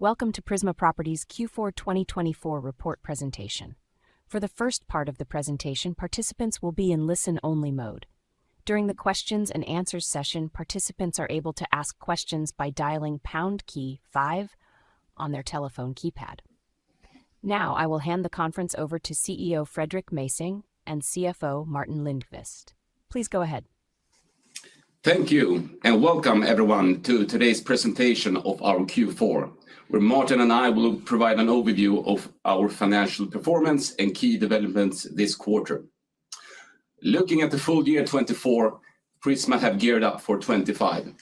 Welcome to Prisma Properties Q4 2024 report presentation. For the first part of the presentation, participants will be in listen-only mode. During the Q&A session, participants are able to ask questions by dialing pound key five on their telephone keypad. Now, I will hand the conference over to CEO Fredrik Mässing and CFO Martin Lindqvist. Please go ahead. Thank you, and welcome everyone to today's presentation of our Q4, where Martin and I will provide an overview of our financial performance and key developments this quarter. Looking at the full year 2024, Prisma have geared up for 2025.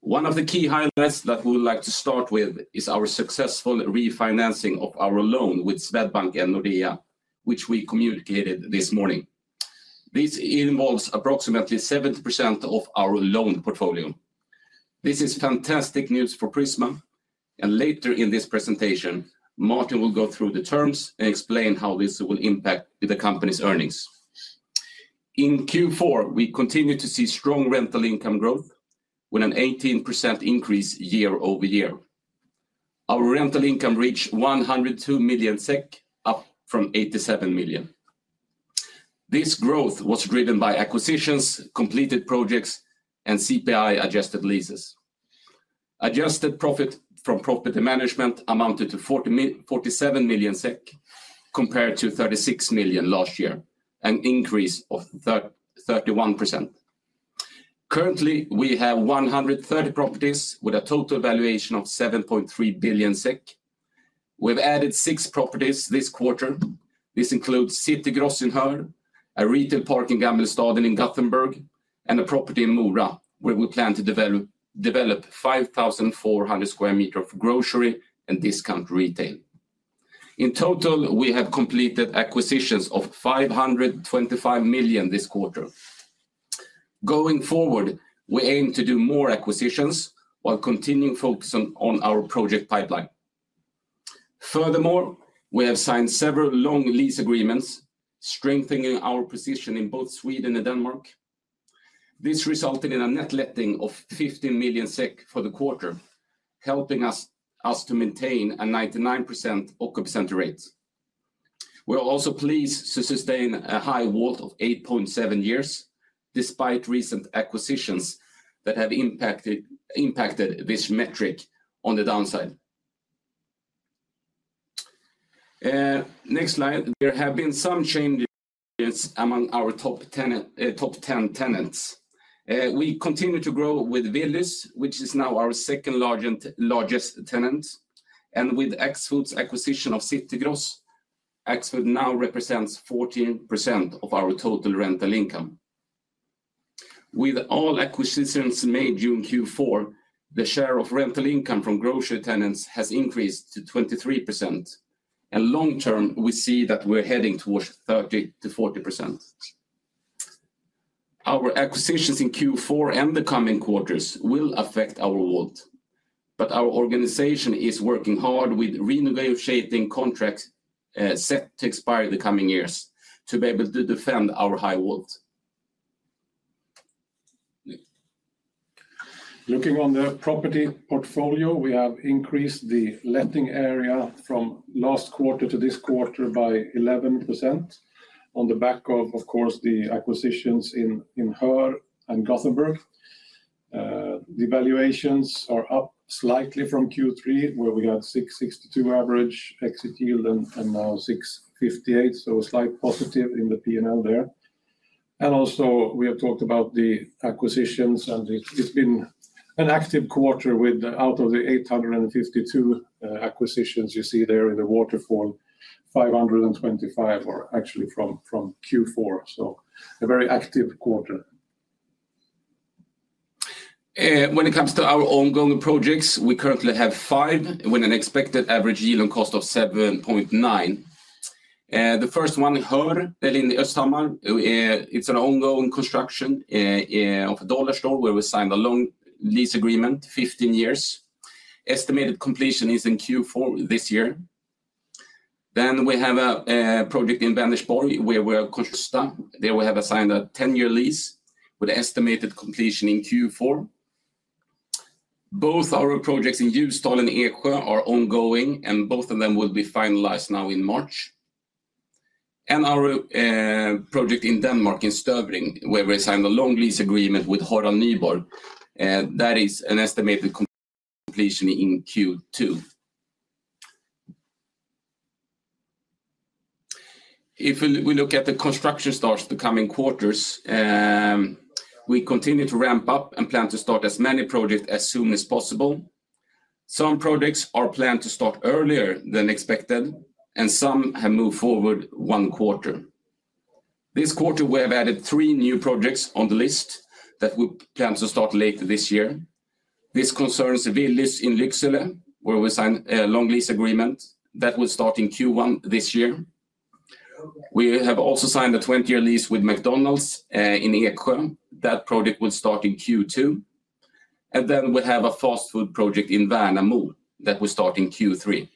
One of the key highlights that we would like to start with is our successful refinancing of our loan with Swedbank and Nordea, which we communicated this morning. This involves approximately 70% of our loan portfolio. This is fantastic news for Prisma, and later in this presentation, Martin will go through the terms and explain how this will impact the company's earnings. In Q4, we continue to see strong rental income growth with an 18% increase year over year. Our rental income reached 102 million SEK, up from 87 million. This growth was driven by acquisitions, completed projects, and CPI-adjusted leases. Adjusted profit from property management amounted to 47 million SEK, compared to 36 million last year, an increase of 31%. Currently, we have 130 properties with a total valuation of 7.3 billion SEK. We've added six properties this quarter. This includes City Gross in Höör, a retail park in Gamlestaden in Gothenburg, and a property in Mora, where we plan to develop 5,400 square meters of grocery and discount retail. In total, we have completed acquisitions of 525 million this quarter. Going forward, we aim to do more acquisitions while continuing focus on our project pipeline. Furthermore, we have signed several long lease agreements, strengthening our position in both Sweden and Denmark. This resulted in a net letting of 15 million SEK for the quarter, helping us to maintain a 99% occupancy rate. We are also pleased to sustain a high WAULT of 8.7 years, despite recent acquisitions that have impacted this metric on the downside. Next slide. There have been some changes among our top 10 tenants. We continue to grow with Willys, which is now our second-largest tenant, and with Axfood's acquisition of City Gross. Axfood now represents 14% of our total rental income. With all acquisitions made during Q4, the share of rental income from grocery tenants has increased to 23%, and long-term, we see that we're heading towards 30%-40%. Our acquisitions in Q4 and the coming quarters will affect our WAULT, but our organization is working hard with renegotiating contracts set to expire in the coming years to be able to defend our high WAULT. Looking on the property portfolio, we have increased the letting area from last quarter to this quarter by 11%, on the back of, of course, the acquisitions in Höör and Gothenburg. The valuations are up slightly from Q3, where we had 662 average exit yield and now 658, so a slight positive in the P&L there. And also, we have talked about the acquisitions, and it's been an active quarter with, out of the 852 acquisitions you see there in the waterfall, 525 were actually from Q4, so a very active quarter. When it comes to our ongoing projects, we currently have five with an expected average yield on cost of 7.9%. The first one, Höör, it's an ongoing construction of a DollarStore, where we signed a long lease agreement, 15 years. Estimated completion is in Q4 this year. Then we have a project in Vänersborg, where we're Rusta. There we have signed a 10-year lease with an estimated completion in Q4. Both our projects in Ljusdal and Eksjö are ongoing, and both of them will be finalized now in March. And our project in Denmark, in Støvring, where we signed a long lease agreement with Harald Nyborg, that is an estimated completion in Q2. If we look at the construction starts in the coming quarters, we continue to ramp up and plan to start as many projects as soon as possible. Some projects are planned to start earlier than expected, and some have moved forward one quarter. This quarter, we have added three new projects on the list that we plan to start later this year. This concerns Willys in Lycksele, where we signed a long lease agreement that will start in Q1 this year. We have also signed a 20-year lease with McDonald's in Eksjö. That project will start in Q2, and then we have a fast food project in Värnamo, that will start in Q3.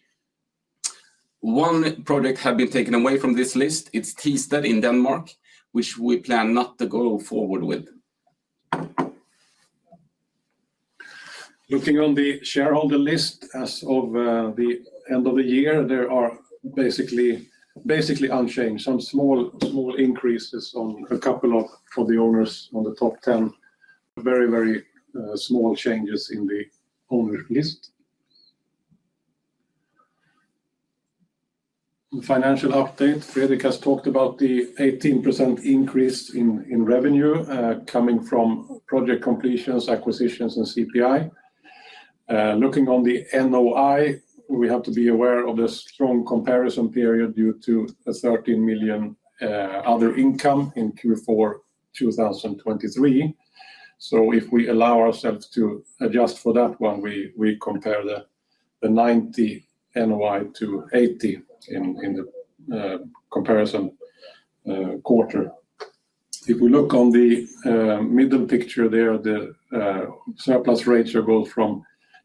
One project has been taken away from this list. It's Thisted in Denmark, which we plan not to go forward with. Looking on the shareholder list as of the end of the year, there are basically unchanged. Some small increases on a couple of the owners on the top 10, very, very small changes in the owner list. The financial update, Fredrik has talked about the 18% increase in revenue coming from project completions, acquisitions, and CPI. Looking on the NOI, we have to be aware of the strong comparison period due to the 13 million other income in Q4 2023. So if we allow ourselves to adjust for that one, we compare the 90 million NOI to 80 million in the comparison quarter. If we look on the middle picture there, the surplus ratio goes from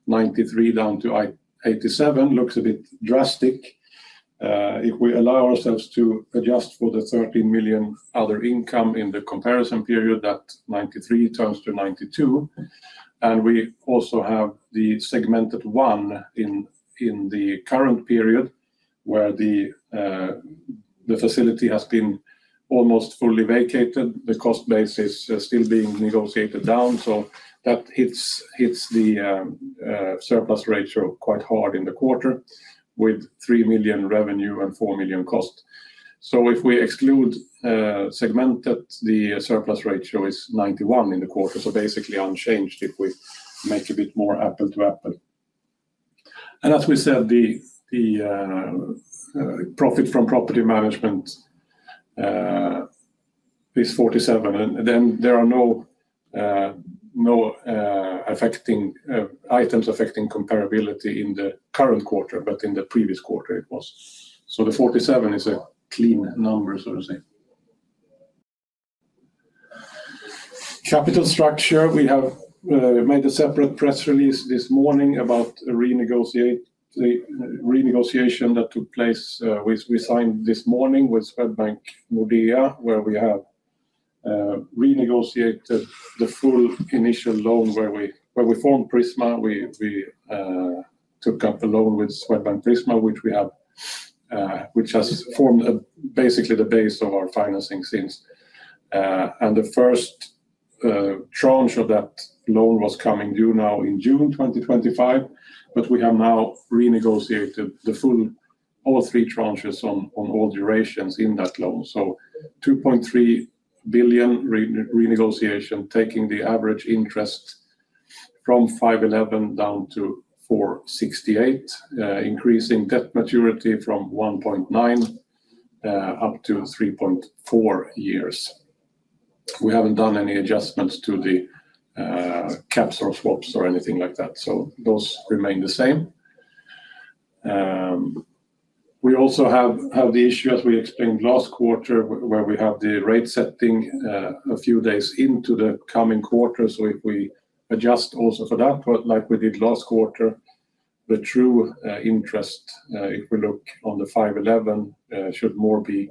93% down to 87%, looks a bit drastic. If we allow ourselves to adjust for the 13 million other income in the comparison period, that 93% turns to 92%. We also have the Segmentet 1 in the current period, where the facility has been almost fully vacated. The cost base is still being negotiated down, so that hits the surplus ratio quite hard in the quarter, with 3 million revenue and 4 million cost. If we exclude Segmentet, the surplus ratio is 91% in the quarter, so basically unchanged if we make a bit more apples to apples. As we said, the profit from property management is 47, and then there are no items affecting comparability in the current quarter, but in the previous quarter it was. The 47 is a clean number, so to say. Capital structure, we have made a separate press release this morning about renegotiation that took place. We signed this morning with Swedbank and Nordea, where we have renegotiated the full initial loan, where we formed Prisma. We took up a loan with Swedbank Prisma, which has formed basically the base of our financing since. The first tranche of that loan was coming due now in June 2025, but we have now renegotiated all three tranches on all durations in that loan. 2.3 billion renegotiation, taking the average interest from 511 down to 468, increasing debt maturity from 1.9 up to 3.4 years. We haven't done any adjustments to the caps or swaps or anything like that, so those remain the same. We also have the issue, as we explained last quarter, where we have the rate setting a few days into the coming quarter. If we adjust also for that, like we did last quarter, the true interest, if we look on the 511, should more be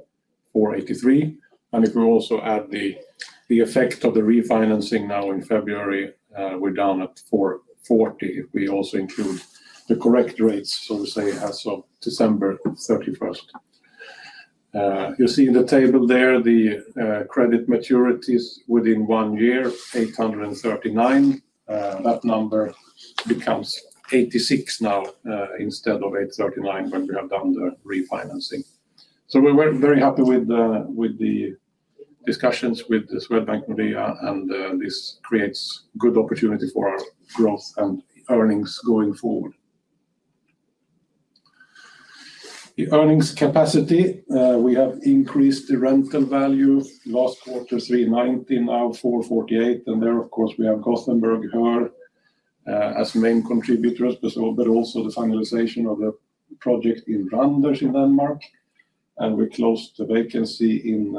483. And if we also add the effect of the refinancing now in February, we're down at 440 if we also include the correct rates, so to say, as of December 31st. You see in the table there the credit maturities within one year, 839. That number becomes 86 now instead of 839 when we have done the refinancing. So we're very happy with the discussions with Swedbank Nordea, and this creates good opportunity for our growth and earnings going forward. The earnings capacity, we have increased the rental value last quarter, 390, now 448. And there, of course, we have Gothenburg, Höör as main contributors, but also the finalization of the project in Randers in Denmark. And we closed the vacancy in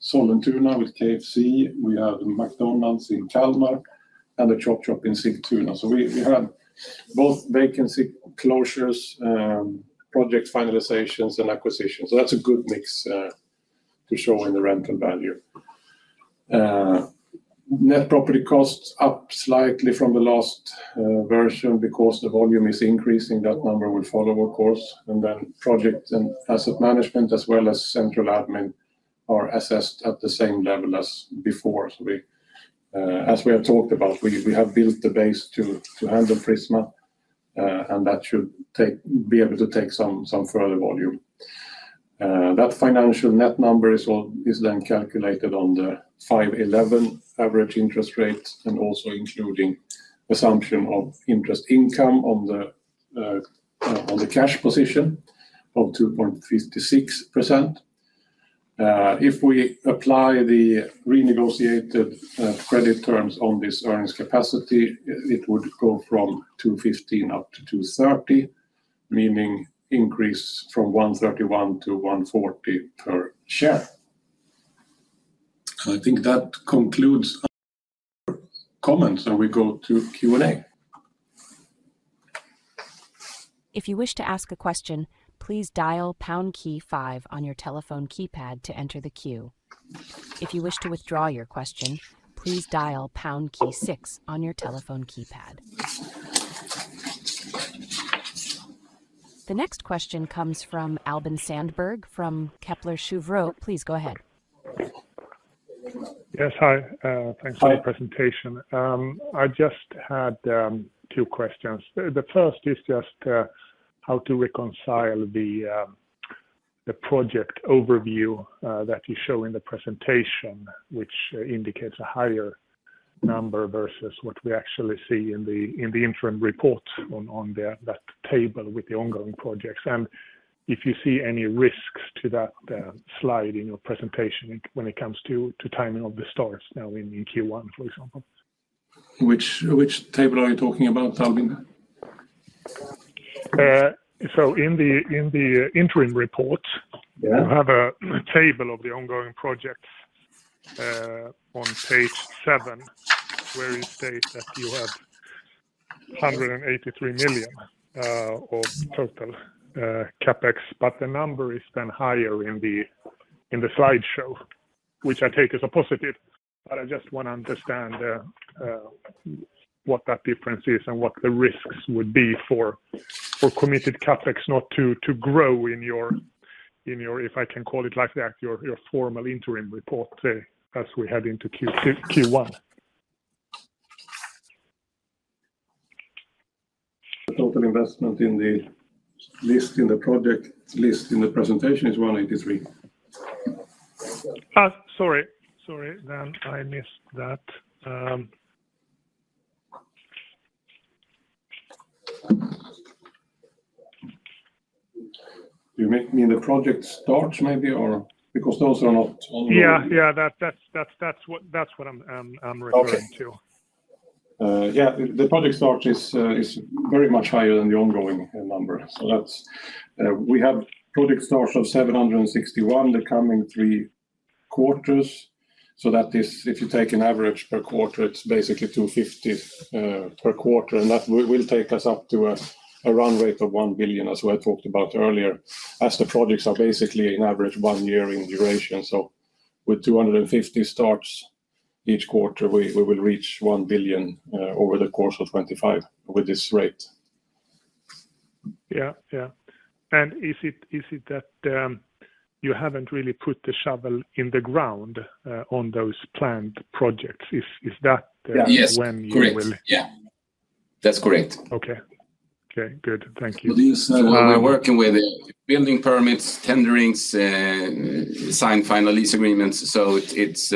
Sollentuna with KFC. We have McDonald's in Kalmar and a Chop Chop in Sigtuna. So we have both vacancy closures, project finalizations, and acquisitions. So that's a good mix to show in the rental value. Net property costs up slightly from the last version because the volume is increasing. That number will follow, of course. And then project and asset management, as well as central admin, are assessed at the same level as before. As we have talked about, we have built the base to handle Prisma, and that should be able to take some further volume. That financial net number is then calculated on the 511 average interest rate, and also including assumption of interest income on the cash position of 2.56%. If we apply the renegotiated credit terms on this earnings capacity, it would go from 215 up to 230, meaning increase from 131 to 140 per share. I think that concludes our comments, and we go to Q&A. If you wish to ask a question, please dial pound key five on your telephone keypad to enter the queue. If you wish to withdraw your question, please dial pound key six on your telephone keypad. The next question comes from Albin Sandberg from Kepler Cheuvreux. Please go ahead. Yes, hi. Thanks for the presentation. I just had two questions. The first is just how to reconcile the project overview that you show in the presentation, which indicates a higher number versus what we actually see in the interim report on that table with the ongoing projects. And if you see any risks to that slide in your presentation when it comes to timing of the starts now in Q1, for example. Which table are you talking about, Albin? So in the interim report, you have a table of the ongoing projects on page 7, where you state that you have 183 million of total CapEx, but the number is then higher in the slideshow, which I take as a positive. But I just want to understand what that difference is and what the risks would be for committed CapEx not to grow in your, if I can call it like that, your formal interim report as we head into Q1. The total investment in the list in the project list in the presentation is 183. Sorry, sorry, then I missed that. You mean the project starts maybe, or? Because those are not ongoing. Yeah, yeah, that's what I'm referring to. Okay. Yeah, the project starts is very much higher than the ongoing number. So we have project starts of 761 the coming three quarters. So that is, if you take an average per quarter, it's basically 250 per quarter. And that will take us up to a run rate of 1 billion, as we had talked about earlier, as the projects are basically in average one year in duration. So with 250 starts each quarter, we will reach 1 billion over the course of 2025 with this rate. Yeah, yeah. And is it that you haven't really put the shovel in the ground on those planned projects? Is that when you will? Yes, correct. Yeah, that's correct. Okay. Okay, good. Thank you. We're working with building permits, tenderings, signed final lease agreements, so it's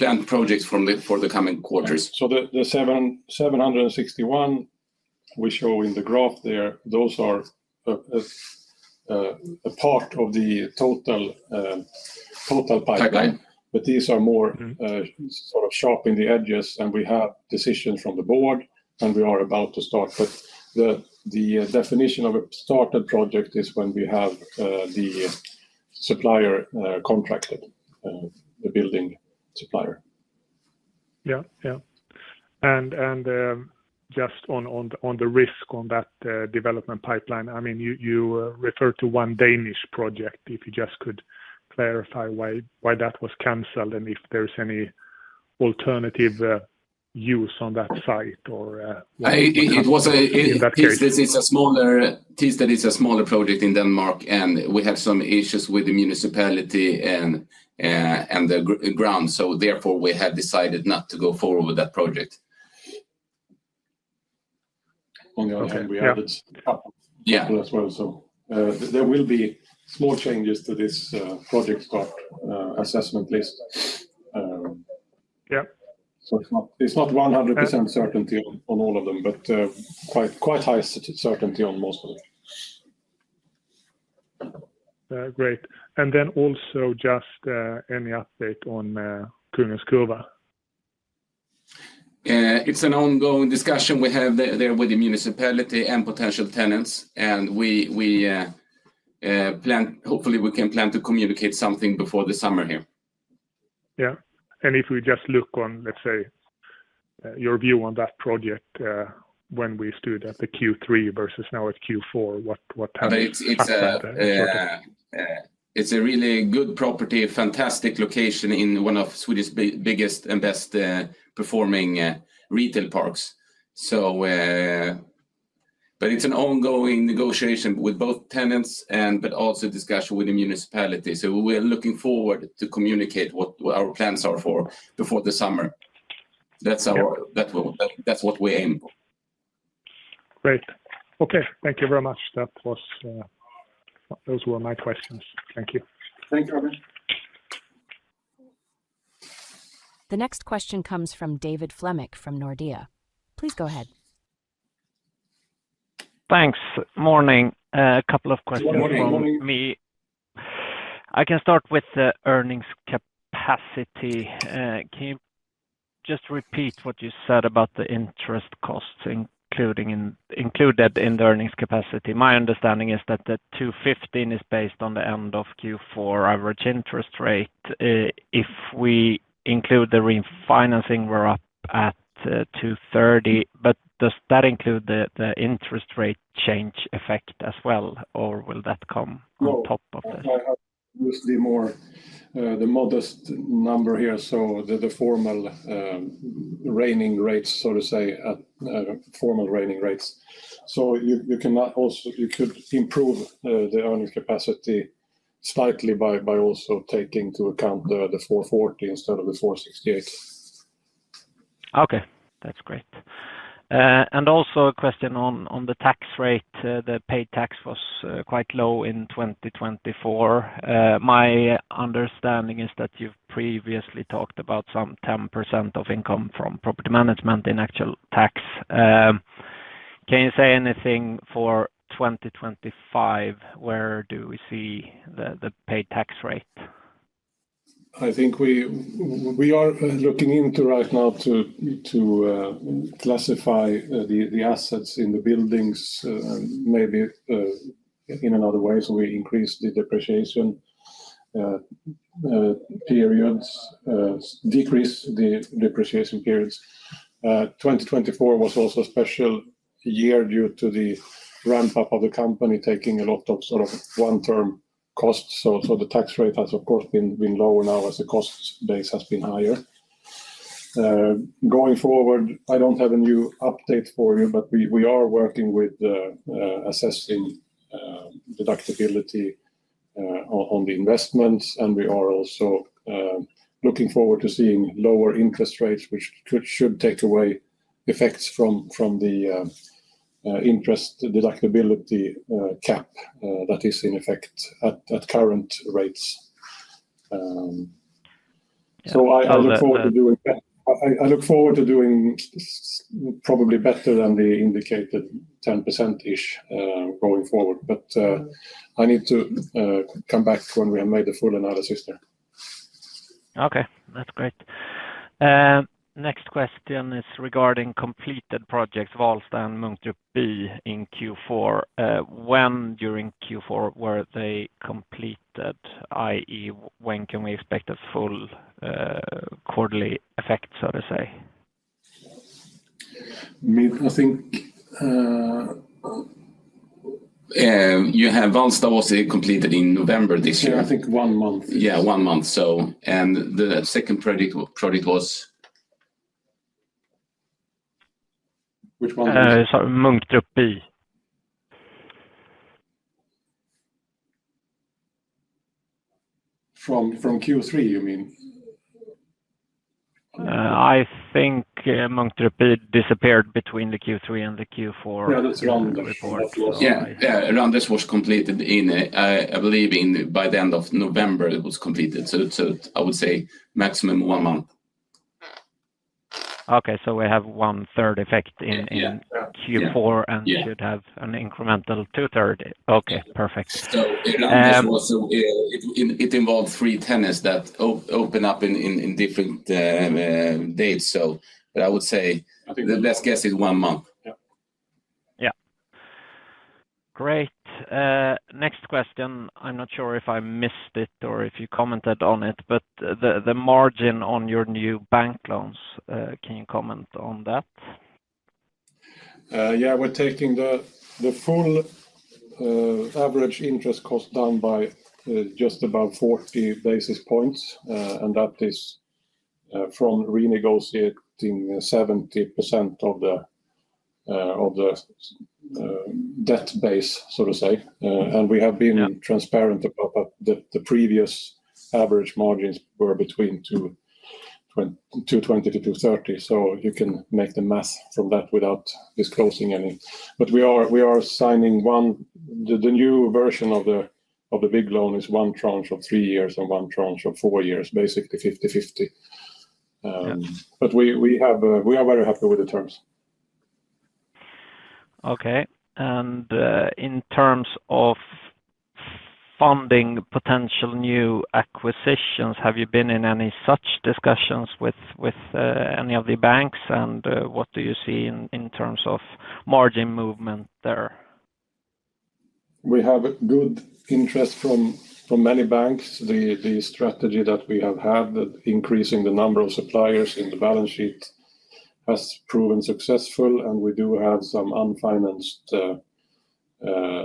planned projects for the coming quarters. So the 761 we show in the graph there, those are a part of the total pipeline. But these are more sort of sharp in the edges, and we have decisions from the board, and we are about to start. But the definition of a started project is when we have the supplier contracted, the building supplier. Yeah, yeah. And just on the risk on that development pipeline, I mean, you referred to one Danish project. If you just could clarify why that was canceled and if there's any alternative use on that site or in that case? Thisted is a smaller project in Denmark, and we had some issues with the municipality and the ground. So therefore, we have decided not to go forward with that project. Only one thing we added as well. So there will be small changes to this project start assessment list. Yeah. So it's not 100% certainty on all of them, but quite high certainty on most of them. Great. And then also just any update on Kungens Kurva? It's an ongoing discussion we have there with the municipality and potential tenants, and hopefully, we can plan to communicate something before the summer here. Yeah. And if we just look on, let's say, your view on that project when we stood at the Q3 versus now at Q4, what happened after that? It's a really good property, fantastic location in one of Sweden's biggest and best performing retail parks, but it's an ongoing negotiation with both tenants, but also discussion with the municipality, so we're looking forward to communicate what our plans are for before the summer. That's what we aim for. Great. Okay. Thank you very much. Those were my questions. Thank you. Thank you, Albin. The next question comes from David Flemmich from Nordea. Please go ahead. Thanks. Morning. A couple of questions from me. I can start with the earnings capacity. Can you just repeat what you said about the interest costs included in the earnings capacity? My understanding is that the 215 is based on the end of Q4 average interest rate. If we include the refinancing, we're up at 230. But does that include the interest rate change effect as well, or will that come on top of this? I have used the modest number here, so the formal reigning rates, so to say, formal reigning rates. So you could improve the earnings capacity slightly by also taking into account the 440 instead of the 468. Okay. That's great, and also a question on the tax rate. The paid tax was quite low in 2024. My understanding is that you've previously talked about some 10% of income from property management in actual tax. Can you say anything for 2025? Where do we see the paid tax rate? I think we are looking into right now to classify the assets in the buildings maybe in another way, so we increase the depreciation periods, decrease the depreciation periods. 2024 was also a special year due to the ramp-up of the company taking a lot of sort of one-off costs. So the tax rate has, of course, been lower now as the cost base has been higher. Going forward, I don't have a new update for you, but we are working with assessing deductibility on the investments, and we are also looking forward to seeing lower interest rates, which should take away effects from the interest deductibility cap that is in effect at current rates. So I look forward to doing that. I look forward to doing probably better than the indicated 10%-ish going forward, but I need to come back when we have made the full analysis there. Okay. That's great. Next question is regarding completed projects of Hallstavik and Munkedal in Q4. When during Q4 were they completed? i.e., when can we expect a full quarterly effect, so to say? I think you have Hallstavik was completed in November this year. Yeah, I think one month. Yeah, one month. And the second project was. Which one? Sorry, Munkedal. From Q3, you mean? I think Munkedal disappeared between the Q3 and the Q4. Randers was completed in, I believe, by the end of November. It was completed. So I would say maximum one month. Okay. So we have one-third effect in Q4 and should have an incremental two-thirds. Okay. Perfect. So it involved three tenants that opened up in different dates. So I would say the best guess is one month. Yeah. Great. Next question. I'm not sure if I missed it or if you commented on it, but the margin on your new bank loans. Can you comment on that? Yeah. We're taking the full average interest cost down by just about 40 basis points, and that is from renegotiating 70% of the debt base, so to say, and we have been transparent about that the previous average margins were between 220 to 230, so you can make the math from that without disclosing any, but we are signing one. The new version of the big loan is one tranche of three years and one tranche of four years, basically 50/50, but we are very happy with the terms. Okay. And in terms of funding potential new acquisitions, have you been in any such discussions with any of the banks, and what do you see in terms of margin movement there? We have good interest from many banks. The strategy that we have had, increasing the number of suppliers in the balance sheet, has proven successful, and we do have some unfinanced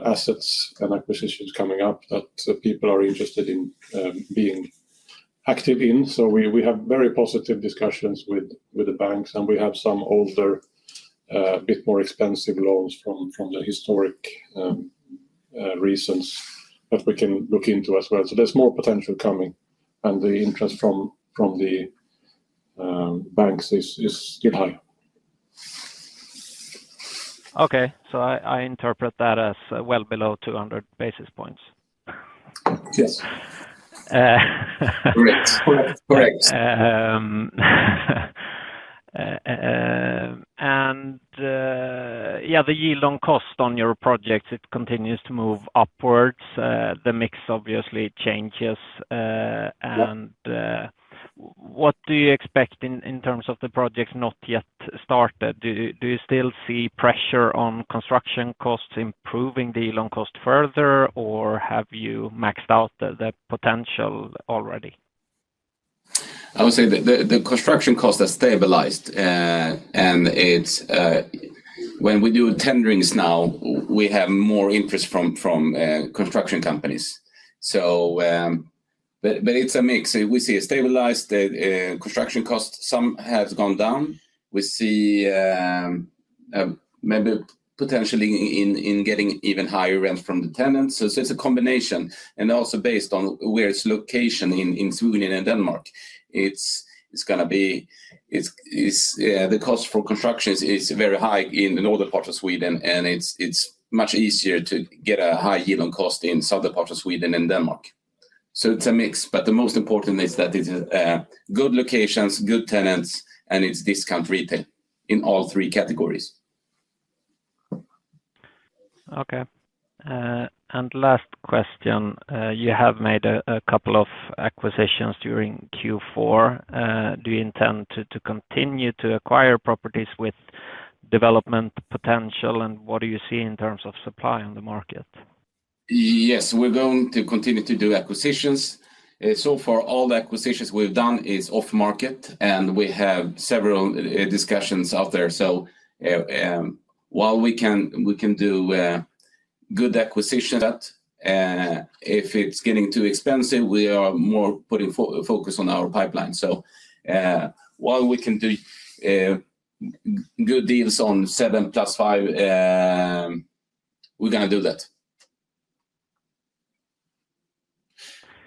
assets and acquisitions coming up that people are interested in being active in. So we have very positive discussions with the banks, and we have some older, a bit more expensive loans from the historic reasons that we can look into as well. So there's more potential coming, and the interest from the banks is still high. Okay. So I interpret that as well below 200 basis points. Yes. Correct. Correct. Yeah, the yield on cost on your projects, it continues to move upwards. The mix obviously changes. What do you expect in terms of the projects not yet started? Do you still see pressure on construction costs improving the yield on cost further, or have you maxed out the potential already? I would say the construction cost has stabilized, and when we do tenderings now, we have more interest from construction companies, but it's a mix. We see a stabilized construction cost, some have gone down. We see maybe potentially in getting even higher rents from the tenants, so it's a combination, and also based on where it's located in Sweden and Denmark, it's going to be the cost for construction is very high in the northern part of Sweden, and it's much easier to get a high yield on cost in the southern part of Sweden and Denmark, so it's a mix, but the most important is that it's good locations, good tenants, and it's discount retail in all three categories. Okay. And last question. You have made a couple of acquisitions during Q4. Do you intend to continue to acquire properties with development potential, and what do you see in terms of supply on the market? Yes. We're going to continue to do acquisitions. So far, all the acquisitions we've done is off-market, and we have several discussions out there. So while we can do good acquisitions, that if it's getting too expensive, we are more putting focus on our pipeline. So while we can do good deals on 7 plus 5, we're going to do that.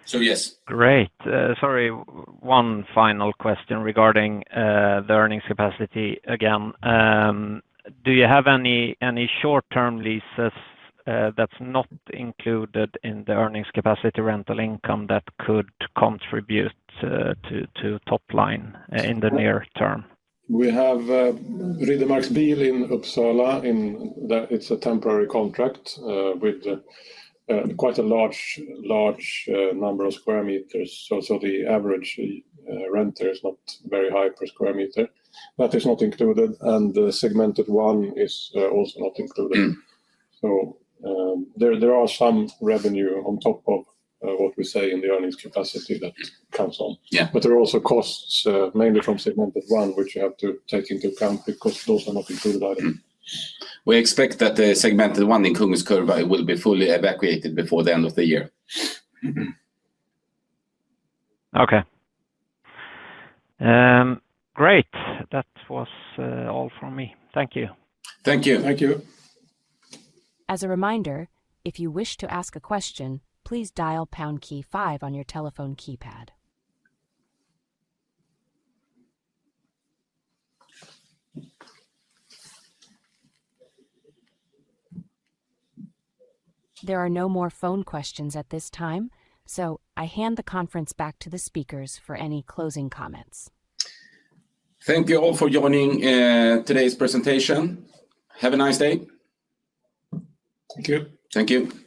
So yes. Great. Sorry. One final question regarding the earnings capacity again. Do you have any short-term leases that's not included in the earnings capacity rental income that could contribute to top line in the near term? We have Riddermarks Bil in Uppsala. It's a temporary contract with quite a large number of square meters. So the average renter is not very high per square meter. That is not included, and the Segmentet 1 is also not included. So there are some revenue on top of what we say in the earnings capacity that comes on. But there are also costs, mainly from Segmentet 1, which you have to take into account because those are not included either. We expect that the Segmentet 1 in Kungens Kurva will be fully evacuated before the end of the year. Okay. Great. That was all from me. Thank you. Thank you. Thank you. As a reminder, if you wish to ask a question, please dial pound key five on your telephone keypad. There are no more phone questions at this time, so I hand the conference back to the speakers for any closing comments. Thank you all for joining today's presentation. Have a nice day. Thank you. Thank you.